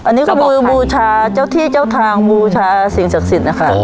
อันนี้ก็คือบูชาเจ้าที่เจ้าทางบูชาสิ่งศักดิ์สิทธิ์นะคะ